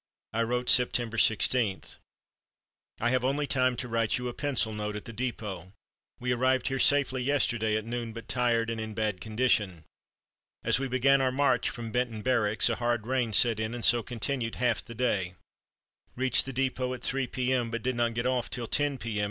I wrote, September 16: "I have only time to write you a pencil note at the dépôt. We arrived here safely yesterday at noon, but tired and in bad condition. As we began our march from Benton Barracks a hard rain set in and so continued half the day. Reached the dépôt at 3 P.M., but did not get off till 10 P.M.